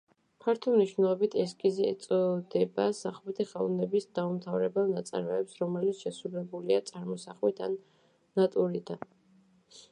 ფართო მნიშვნელობით ესკიზი ეწოდება სახვითი ხელოვნების დაუმთავრებელ ნაწარმოებს, რომელიც შესრულებულია წარმოსახვით ან ნატურიდან.